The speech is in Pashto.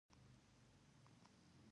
دا دی يعنې دے په ځای باندي دي مه وايئ